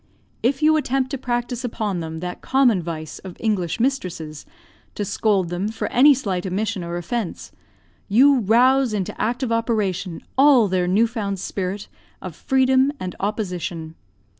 If you attempt to practise upon them that common vice of English mistresses, to scold them for any slight omission or offence, you rouse into active operation all their new found spirit of freedom and opposition.